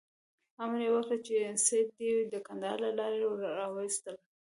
امر یې وکړ چې سید دې د کندهار له لارې وایستل شي.